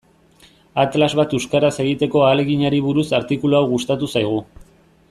Atlas bat euskaraz egiteko ahaleginari buruz artikulu hau gustatu zaigu.